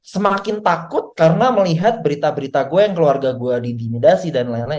semakin takut karena melihat berita berita gue yang keluarga gue didimidasi dan lain lain